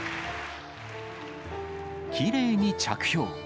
きれいに着氷。